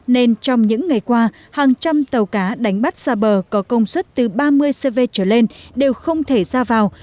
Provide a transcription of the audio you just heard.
nên trong những ngày qua hàng trăm tàu cá đánh bắt xa bờ có công suất từ ba mươi cv trở lên đều không thể ra vào